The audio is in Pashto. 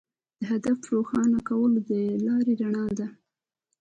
د هدف روښانه کول د لارې رڼا ده.